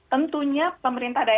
tentunya pemerintah daerah